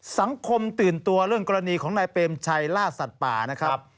สังคมตื่นตัวเรื่องกรณีของนายเปรมชัยล่าสัตว์ป่านะครับ